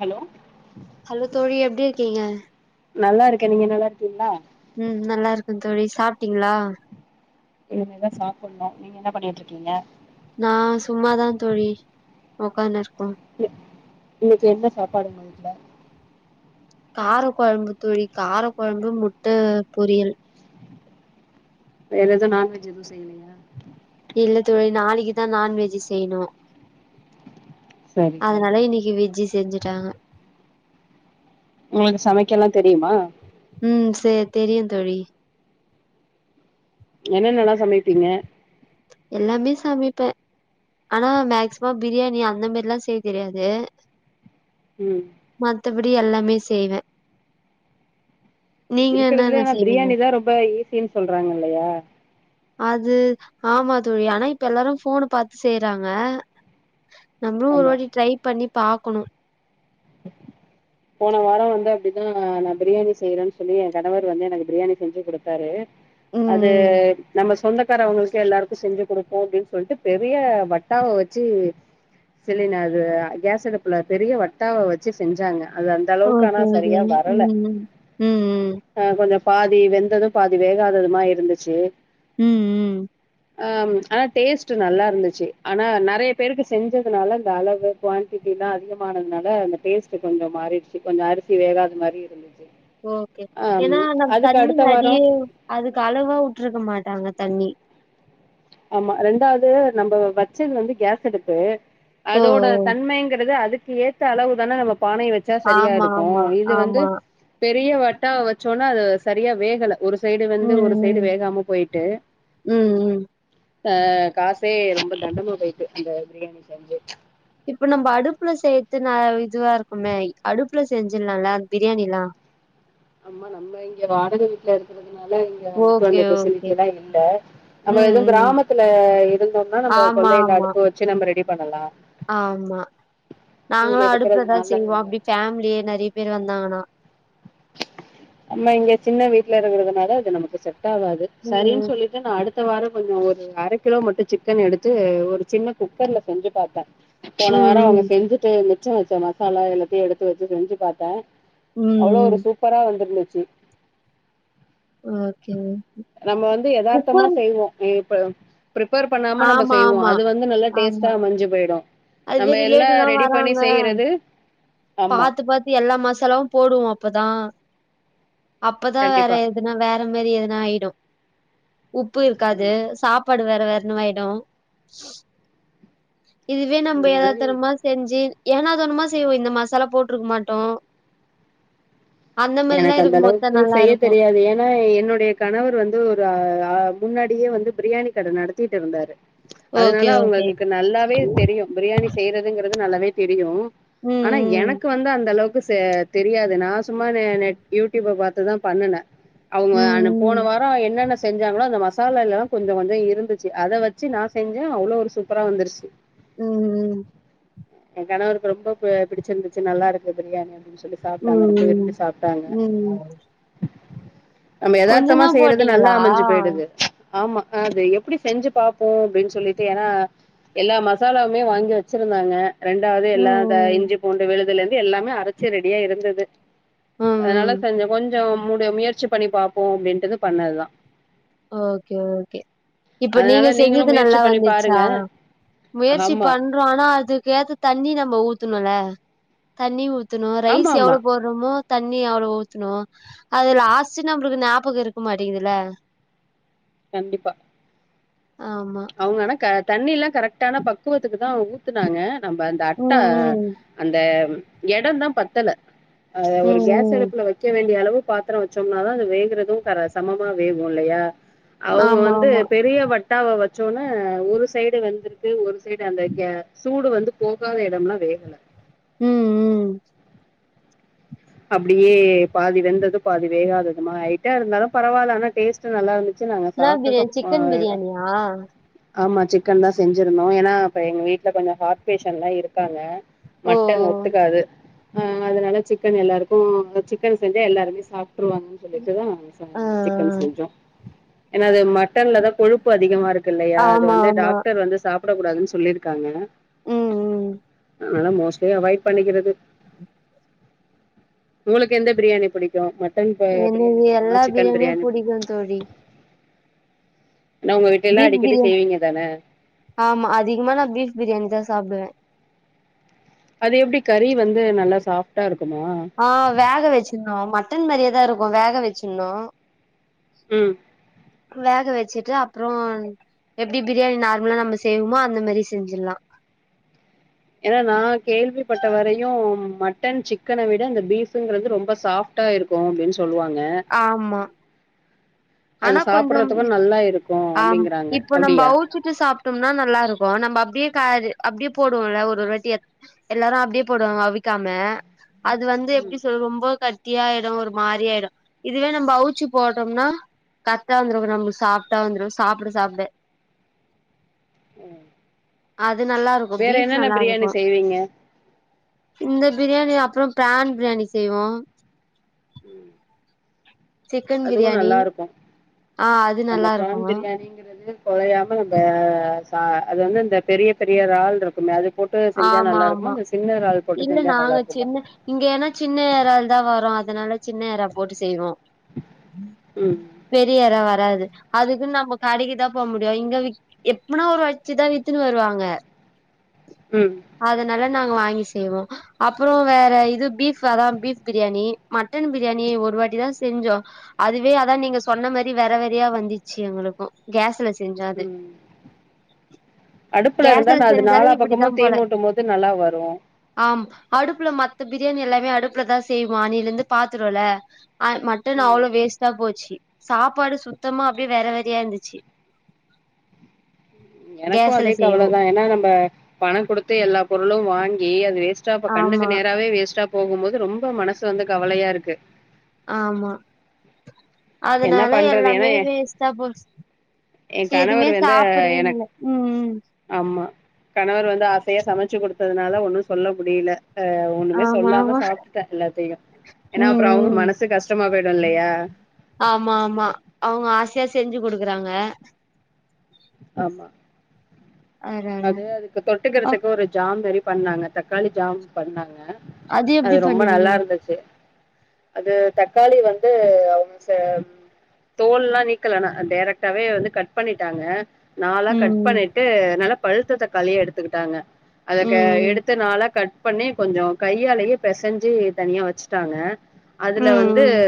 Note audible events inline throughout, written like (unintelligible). Hello hello தோழி எப்டி இருக்கீங்க நல்லா இருக்கே நீங்க நல்லா இருக்கீங்களா ம் நல்லா இருக்க தோழி சாப்ட்டீங்ளா இனிமேதா சாப்புண்ணோ நீங்க என்ன பண்ணியிட்ருக்கீங்க நா சும்மாதா தோழி உக்கானுக் இன்னக்கி என்ன சாப்பாடுங்க காரக் கொழம்பு தோழி காரக் கொழம்பு முட்ட பொரியல் வேற ஏதுவு நண்வெஜ் எதுவு செய்லையா இல்ல தோழி நாளக்கிதா நான்வெஜ் செய்ணு சரி சரி அதுனால இன்னக்கி வெஜ்ஜு செஞ்சுட்டாங்க உங்களுக்கு சமைக்கல்லா தெரியுமா ம் சேரி தெரியுந் தோழி என்னென்னல்லா சமைப்பீங்க எல்லாமே சமைப்ப ஆனா மேக்சிமம் பிரியாணி அந்த மேரில்லா செய்ய தெரியாது ம் த்தபடி எல்லாமே செய்வ இருக்கறதுலயே ஆனா பிரியாணிதா ரொம்ப ஈஸின் சொல்றாங்க இல்லையா அது ஆமா தோழி ஆனா இப்ப எல்லாரு ஃபோன பாத்து செய்றாங்க நம்புளு ஒரு ஆமா வாட்டி ட்ரை பண்ணி பாக்கணு போன வார வந்து அப்டிதா நா பிரியாணி செய்யறன் சொல்லி எ கணவர் வந்து எனக்கு பிரியாணி செஞ்சு குடுத்தாரு ம் அது ம் நம்ம சொந்த க்காரவங்களுக்கு எல்லாருக்கு செஞ்சு குடுப்போ அப்டின் சொல்ட்டு பெரிய வட்டாவ வெச்சு சிலின அது கேஸ் அடுப்புல பெரிய வட்டாவ வெச்சு செஞ்சாங்க அது அந்த அளவுக்கு ஆனா ஓகே, ஓகே. சரியா ம், வரல ம். ம், ம். ஆ கொஞ்சம் பாதி வெந்தது பாதி வேகாததுமா இருந்துச்சு ம் ம் ஆ ஆனா டேஸ்ட்டு நல்லா இருந்துச்சு ஆனா நெறைய பேருக்கு செஞ்சதுனால அந்த அளவு குவான்டடிலா அதிகமானதுனால அந்த டேஸ்ட்டு கொஞ்சம் மாறிடுச்சு கொஞ்ச அரிசி வேகாத மாரி இருந்துச்சு ஓகே ஆ ஏனா நம் அதுக்கு தண்ணி அடுத்த வாரோ நெறிய அதுக்கு அளவா உட்ருக்க மாட்டாங்க தண்ணி ஆமா ரெண்டாவுது நம்ம வெச்சது வந்து கேஸ் அடுப்பு ஓ! அதோட தன்மைங்கிறது அதுக் ஏத்த அளவுதான நம பானை வச்சா சரியா ஆமா, இருக்கு ஆமா, இது வந்து ஆமா. பெரிய வாட்டா வச்சோனா அது சரியா வேகல ஒரு சைடு வெந்து ம், ஒரு சைடு ம். வேகாம போயிட்டு ம், ம். அஹ் காசே ரொம்ப தண்டமா போயிட்டு அந்த பிரியாணி செஞ்சு இப்ப நம்ப அடுப்புல சேத்து நா இதுவா இருக்குமே அடுப்புல செஞ்சுல்லால்ல பிரியாணிலா அம்மா நம்ம இங்க வாடக வீட்டுல இருக்குறது துனால இங்க அடுப்பு ஓகே, அந்த ஓகே. ஃபெசிலிட்டில்லா இல்ல ம், நம்ம எதுவு ம். கிராமத்துல இருந்தோனா நம்ப ஆமா, கொள்ளையில ஆமா, அடுப்பு வெச்சு நம்ம ரெடி பண்ணலா ஆமா இங்க நாங்களு அடுப்புலதா இருக்கிறதுனால செய்வோ அப்டி ஃபேமிலியே நெறைய பேர் வந் தானா நம்ம இங்க சின்ன வீட்டுல இருக்கறதுனால இது நமக்கு செட் டாகாது ம், சரின்னு ம். சொல்லிட்டு நா அடுத் த வாரொ கொஞ்சொ ஒரு அர கிலோ மட்டு சிக்கன் எடுத்து ஒரு சின்ன குக்கர்ல செஞ்சு பாத்தே ம், போன வாரொ அவங்க ம். செஞ்சுட்டு அந்த மிச்சா வச்சா மசாலா எல்லாத்தையு எடுத்து வெச்சு செஞ்சு பாத்தே ம், அவ்வளோ ஒரு ம். சு வையா வந்திருந்துச்சு ஓகே. நம்ம வந்து யதார்த்தமா குக்கர் செய்வோ ஏ டொ ப்ரிப்பேர் பண்ணாம நம்ப ஆமா, செய்வோ ஆமா, அது வந்து நல்ல ஆமா. டேஸ்டா மஞ்சு போய்டு அதுவே ரிலேட்டிவ்லா வராங்க ஆமா பாத்து பாத்து எல்லா மசாலாவு போடுவோ அப்பதா அ அப்பதா வேற கண்டிப்பா எதுனா வேற மாரி எதுனா ஆயிடு உப்பு இருக்காது ஆமா சாப்பாடு வேற வேற் இன்னுவாய்டு இது இதே நம்ப அது மாதிரி எதாத்தரமா செஞ்சு ஏனா தானுமா செய்வோ இந்த மசாலா போட்ருக்க மாட்டோ எனக்கு அந்த அளவுக்கு செய்ய தெரியாது ஏன்னா என்னுடைய கணவரு வந்து ஒரு அ அ முன்னாடியே வந்து பிரியாணி கட நடத்திட்டு இருந்தாரு அதனால ஓகே, ஓகே. அவங்களுக்கு நல்லாவே தெரியு பிரியாணி செய்றதுங்கற து நல்லாவே தெரியு ஆனா ம், ம். எனக்கு வந்து அந்த அளவு குச் சே தெரியாது நா சும் மா நானு யூ டுயூப பாத்துதா பண்ணுன அவ்ங்க அன் போன ம், ம். வாரோ என்னென்ன செஞ்சாங்களோ அந்த மஸ் சால்னா இல்லனா கொஞ்ச வந்த இருந்துச்சி அத வச்சு நா செஞ்ச அவ்ளோ ஒரு சூப்பரா வந்துருச்சு ம் ம் எ கணவருக்கு ரொம்ப ப பிடிச்சிர்ந்துச்சு நல்லாருக்கு பிரியாணி சொல்லி சாப்டாங்க ரொம்ப ம். விரும்பி சாப்டாங்க ம், ம். நம்ம கொஞ்சம் எதார்த்தமா தான் செய்றது நல்லா போட்டீங்களா? அமஞ்சு போயிடுது ஆமா அது எப்பிடி செஞ்சு பாப்போ அப்டின் சொல்லிட்டு ஏனா எல்லா மசாலாவுமே வாங்கி வச்சிருந்தாங்க ரெண்டாது எல்லா த ம், ம். இஞ்சி பூண்டு விழுதுல எல்லாமே அரச்சு ரெடியா இருந்தது ம், அதனால ம். செஞ்ச கொஞ் கொஞ்ச முடு முயற்சி பண்ணி பாப்போ அப்டின்ட்டுது பண்ணது தா ஓகே ஓகே இப்ப அதனால நீங்க நீங்களு செஞ்சது முயற்சி நல்லா பண்ணி வந்துச்சா பாருங்க முயற்சி ஆமா பண்றோ ஆனா அதுக்கேத்த தண்ணி நம்ம ஊத்தனுல தண்ணி ஊத் த்தனு ஆமா ரைஸ் ஆமா எவ்ளோ போறோமோ தண்ணி அவ்ளவ் ஊத்துனு அது லாஸ்டு நம்புளுக்கு ஞாபக இருக்க மாட்டிங்குதுல்ல கண்டிப்பா ஆமா அவங்கனா க தண்ணி எல்லா கரெக்டான பக்குவத்துக்கு தா ஊத்துனாங்க நம்ம அந்த அட்டா ம் ம் அந்த எடம் தா பத்தல அ ஒரு ம் கேஸ் ம் அடுப்புல வெக்க வேண்டிய அளவுக் பாத்திரம் வச்சோம்னா தா அது வேகறது கர சமமா வேகு இல்லையா அவுங்க ஆமா வந்து ஆமா பெரிய வட்டாவ வச் சோன ஒரு சைடு வெந்திருக்கு ஒரு சைடு அந்த கே சூடு வந் போகாத இடம் லா வேகல ம் ம் அப்டியே பாதி வெந்தது பாதி வேகாததுமா ஆயிட்டா இருந்தாலு பரவால்ல ஆனா டேஸ்ட் நல்லா இருந் என்னா பிரியாணி சிக்கன் பிரியாணியா ஆமா சிக்கன் தா செஞ்சிருந்தோ ஏனா இப்ப எங்க வீட்ல கொஞ்சோ ஹார்ட் பேஷண்ட்லா இருக்காங்க ஓ ஓ. மட்டன் ஒத்துக்காது ஆ அதனால சிக் சிக்கன் எல்லாருக்கு சிக்கன் செஞ்சா எல்லாருமே சாப்ட்டு ட்டுருவாங்கன்னு சொல்லிட்டுதா ச ஆ ஆ. சிக்கன் செஞ்சோ என்னது மட் டன்லதா கொழுப்பு அதிகமா இருக்கு இல்லையா அது ஆமா வந்து ஆமா டாக்டர் வந்து சாப் சாப்பிடக்கூடாதுன்னு சொல்லிருக்காங்க ம் ம் ஆனா மோஸ்லி அவாய்ட் பண்ணிக்கிறது உங்களுக்கு எந்த பிரியாணி புடிக்கு ம எனக்கு எல்லா பிரியாணியு புடிக் புடிக்கு தோழி ஏன்னா உங்க வீட்ல எல்லா பீப் அடிக்கடி பிரியாணி செய்வீங்க தான ஆமா அதிகமா நா பீப் பிரியாணி தா சாப்டுவே அது எப்டி கறி வந்து நல்லா சாஃப்டா இருக்கு ஆ வேக வச்சுணு மட்டன் மாரியேதா இருக்கு வேக வெச்சிட்னு உம் வேக வச்சுட்டு அப்புறோ எப்டி பிரியாணி நார்மலா நம்ம செய்வோமோ அந்த மாரி செஞ்சிர்ல்லா ஏன்னா நான் கேள்விப்பட்ட வரையு மட்டன் சிக்கன விட அந்த பீஃப்ங்கிறது ரொம்ப சாப்ட்டா இருக்கும் அப்டின்னு சொ ல்லுவாங்க ஆமா ஆனா கொஞ்சு ஆம் அப்டிங்கிறாங்க இப்போ நம்ம அப்டியா அவுச்சிட்டு சாப்பிட்டோம்னா நல்லா இருக்கு நம்ம அப்டியே காரு அப்டியே போடுவோம்ல ஒரு ஒரு வாட்டி எல்லாரு அப்படியே போடுவாங்க அவிக்காம அது வந்து எப்டி ம் சொல்வோ ரொம்போ கஸ் ட்டியாயிடும் ஒரு மாரியாயிடும் இதுவே நம்ம அவுச்சி போட்டோம்னா கத்தா வந்துருக்கு நம்மளுக்கு சாப்பிட்டா வந்துருக்கு சாப்பிட சாப்பிட உம் அ அது நல்லா இருக்கு பீப் நல்லா இருக்கும் செய்வீங்க இந்த பிரியாணி அப்புறோ பிரான் பிரியாணி செய்வோ சிக்கன் அதுவு பிரியாணி நல்லா ஆ அது இருக்குஅந்த நல்லா இருக்கு பிரான் பிரியாணிங்கிறது கொலையாம நம்ம ச அது வந்து இந்த பெரிய பெரிய இரால் இருக்குமே அதுக்கு ஆமா ஆமா இல்ல செஞ்சா நல்லா நாங்க இருக்குமா சின்ன இங்க ஏன்னா சின்ன ஏரால தா வரு அதனால சின்ன ஏரா போட்டு செய்வோ ம் பெரிய ஏரா வராது அதுக்குன்னு நம்ம கடைக்குதா போ முடியு இங்க எப்பனா ஒரு வச்சிதா வித்துன்னு வருவாங்க ம் அதனால்ல நா வாங்கி செய்வோ அப்புறோ வேற இது பீப் அதா பீப் பிரியாணி மட்டன் பிரியாணி ஒரு வாட்டி தா செஞ்சோ அதுவே அதா நீங்க சொன்ன மாதிரி வெறவெறையா வந்துச்சு எங்களுக்கும் கேஸ்ல செஞ்சோ அது உம் அடுப்புல இருந்தா கேஸ்ல நா அது நாலா செஞ்சாலே பக்கமு இப்டிதா தீ போல மூட்டும் போது நல்லா வரு ஆம் அடுப்புல மத்த பி இதே மாரி எல்லாமே அடுப்புலதா செய்வா அன்னிலருந்து பாத்ருவல ஆ மட்டன் ம் அவ்ளோ வேஸ்ட்டா போச்சி சாப்பாடு சுத்தமா அப்டியே வேற வெதயா இருந்துச்சு ம் எனக்கு கேஸ்ல அதே கவல செய்யவு தா ஏனா நம்ம பண குடுத் தே எல்லா பொருளு வாங்கி அது வேஸ்ட் டா இப்ப ஆமா கண்ணுக்கு நேராவே வேஸ்டா போகும்போது ரொம்ப மனசு வந்து கவலையா இரு க்கு ஆமா என்னா அதனால பண்றது ஏனா எல்லாமே ஏ வேஸ்ட்டா போச்சு எதுமே கணவர் வந்து சாப்புடவே எனக் முல்ல ம் ம் ஆமா கணவர் வந்து ஆசையா சமச்சி குடுத் ததுனால ஒன்னு சொல்ல முடில அ ஒன்னுமே ஆமா சொல்லாம ஆமா சாப்ட்டுட்டே எல்லாத்தையு ஏனா ம் அப்றோ அவங்க ம் மனசு கஷ்டமா பொயிடு இல்லயா ஆமா ஆமா அவங்க ஆசையா செஞ்சு குடுக்குறாங்க ஆமா அதனால அது அதுக்கு அப் தொட்டுக்கிறதுக்கு ஒரு ஜாம் ரெடி பண்ணாங்க தக்காளி ஜாம் பண்ணாங்க அது எப்டி ரொம்ப பண்ணுவீங்க நல்லா இருந்துச்சு அது தக்காளி வந்து அவங்ச தோல் எல்லா நீக்கலானா டைரக்டாவே வந்து கட் பண்ணிட்டாங்க நாலா கட் ம் பண்ணிட்டு நல்லா பழுத்த தக்காளியா எடுத்துகிட்டாங்க அதுக்கு ம் எடுத்து நாலா கட் பண்ணி கொஞ்ச கையாலயே பெசைஞ்சு தனியா வச்சுட்டாங்க ம் அதுல வந்து ம்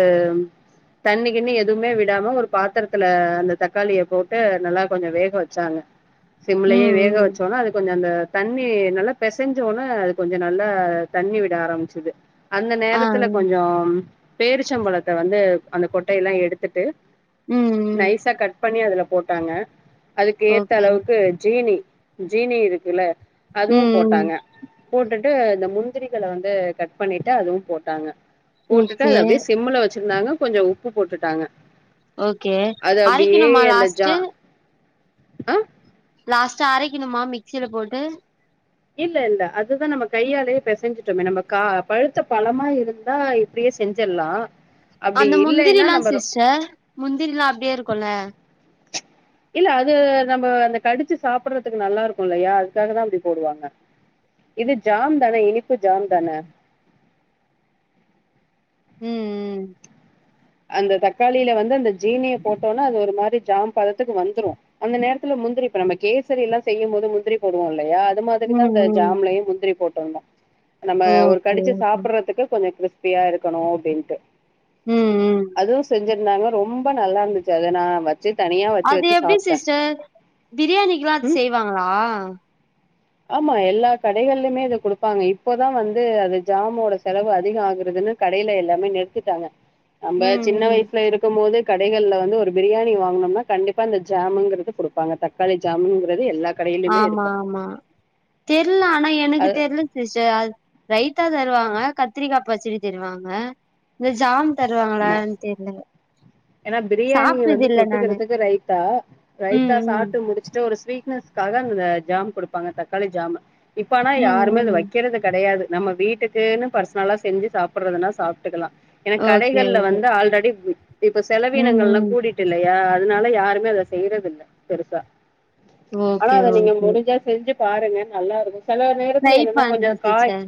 தண்ணி கிண்ணி எதுவுமே விடாம ஒரு பாத்திரத்துல அந்த தக்காளிய போட்டு நல்லா கொஞ்ச வேக வெச்சாங்க ம் சிம்லயே ம் வேக ம் வெச்சோன அது கொஞ்ச அந்த தண்ணி நல்லா பெசைஞ்ச ஒன அது கொஞ்ச நல்ல தண்ணி விட ஆரம்பிச்சுது அந்த ஆ நேரத்துல கொஞ்சம் பேரிச்சம்பழத்த வந்து அந்த கொட்டையெல்லா எடுத்துட்டு ம் ம் நைஸா கட் பண்ணி அதுல போட்டாங்க அதுக்கு ஏத்த ஓகே அளவுக்கு ஜீனி ஜீனி இருக்குல்ல அதுவு ம் ம் போட்டாங்க போட்டுட் டு இந்த முந்திரிகள வந்து கட் பண்ணிட்டு அதுவு போட்டாங்க போட்டுட்டு ஓகே அது அப்படியே சிம்முல வெச்சிருந்தாங்க கொஞ்சோ உப்பு போட்டுட்டாங்க ஓகே அரைக்கணுமா லாஸ்ட்டு அ லாஸ்ட்டா அரைக்கணுமா மிக்சியில போட்டு இல்ல இல்ல அதுதா நம்ம கையாலே பெசஞ்சுட்டோமே நம்ம கா பழுத்த பழமா இருந்தா இப்புடியே செஞ்சர்லா அந்த முந்திரிலா சிஸ்டர் முந்திரிலா அப்டியே இருக்கும்ல இல்ல அது நம்ம அந்த கடிச்சு சாப்புடுறதுக்கு நல்லா இருக்கு இல்லையா அதுக்காகதா அப்புடி போடுவாங்க இது ஜாம் தான இனி ப்பு ஜாம் தானே உம் உம் அந்த தக்காளியில வந்து அந்த ஜீனிய போட்டோன்னா அது ஒரு மாரி ஜாம் பதத்துக்கு வந்துரு அந்த நேரத்துல முந்திரி போண் நம்ம கேசரிலா செய்யும் போது முந்திரி போடுவோ இல்லையா அந்த ம் மாதிரிதாங்க இந்த ம் ம் ஜாமலையு முந்திரி போட் ட்டர்னு நம்ம ஒரு ஓகே கடிச்சு ஓகே சாப்பிடறதுக்கு கொஞ்சோ கிர்ஸ் ப்பியா இருக்கணு அப்டின்ட்டு ம் உம் அதுவு செஞ்ச இருந்தாங்க ரொம்ப நல்லா இருந்துச்சு அதனா வ அது எப்படி சிஸ்டர் பிரியாணிக்குல்லா அது ம் செய்வாங்களா ஆமா எல்லா கடைகள்லயுமே அத குடுப்பாங்க இப்போதா வந்து அது ஜாமோட செலவு அதிகோ ஆகுறதுன்னு கடையில எல்லாமே நிறுத்திட்டாங்க நம்ம ம் சின்ன ம் வயசுல இருக்கும் போது கடைகள்ல வந்து ஒரு பிரியாணி வாங்கனும்னா கண்டிப்பா இந்த ஜாம்ங்றது குடுப்பாங்க தக்காளி ஜாமங்குறது எல்லா கடையிலயுமே ஆமா இருக்கு ஆமா தெர்ல ஆனா எனக்கு அது தெரியல சிஸ்டர் ரைத்தா தருவாங்க கத்திரிக்கா பச்சடி தருவாங்க இந்த ஜாம் அமா தருவாங்களான்னு தெர்ல ஏனா பிரியாணிய சாப்ட்டது வந்து இல்ல நானு தொட்டுக்கிறதுக்கு ரைத்தா ம் ரைத்தா ம் சாப்பிட்டு முடிச்சுட்டு ஒரு ஸ்வீட்னஸ் க்காக அந்த ஜாம் குடுப்பாங்க தக்காளி ஜாம் இப்பனா ம் யாருமே அது ம் வைக்கிறது கெடையாது நம்ம வீட்டுக்குன்னு பர்சனலா செஞ்சு சாப்பிடுறதுனா சாப்பிட்டுக்கலா எனக்கு க ஓகே (unintelligible) ஓகே வந்து ஆல்ரெடி இப்ப ம் செலவினங்கல்லா ம் கூடிட்டுல த அதனால யாருமே அத செய்யறதுல்ல பெருசா ஆனா ஓகே அத நீங்க ஓகே முடிஞ்சா செஞ்சு பாருங்க நல்லா இருக்கு சில நேரத்துல ட்ரை என்னன்னா கொஞ்சோ பண்றே காய் சிஸ்டர்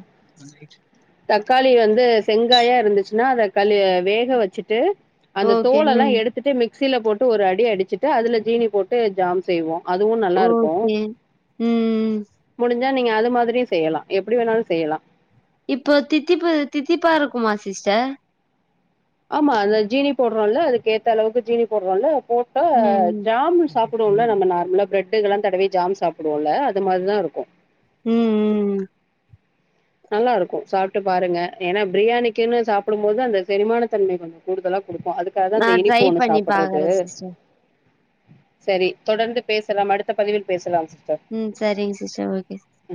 தக்காளி வந்து செங்காயா இருந்துச்சுன்னா அத தக்காளிய வேக வச்சிட்டு அந்த ஓகே தோலல்லா ம் எடுத்துட்டு மிக் ஸ்சில போட்டு ஒரு அடி அடிச்சிட்டு அதுல ஜீனி போட்டு ஜாம் செய்வோ அதுவு நல்லா இருக்கு ஓகே ம் சா நீங்க அது மாதிரியு செய்யலா எப்டி வேணாலு செய்யலா இப்போ தித்திப்பு தித்திப்பா இருக்குமா சிஸ்டர் ஆமா அந்த ஜீனி போடுறோம்ல அதுக்கு ஏத்த அளவுக்கு ஜீனி போடுறோம்ல்ல போட்டா ம் ஜாம் சாப்புடுவோம்ல நம்ப நார்மலா பிரெட் டுக்கல்லா தடவி ஜாம் சாப்படுவோம்ல அது மாரிதா இருக்கு ம் ம் நல்லா இருக்கு சாப்ட்டு பாருங்க ஏன்னா பிரியாணிக்குன்னு சாப்புடும்போது அந்த செரிமானத்தன்மை கொஞ்சோ கூடுதலா குடுக்கு அதுக்காகதா நா அந்த ட்ரை இனிப்பு ஒண்ணு பண்ணி சாப்பிட்றது பாக்குறே சிஸ்டர் சரி தொடர்ந்து பேசலாம் அடுத்த பதிவில் பேசலாம் சிஸ்டர் ம் சரிங்க சிஸ்டர் ஓகே ம்